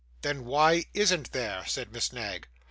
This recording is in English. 'Then why isn't there?' said Miss Knag.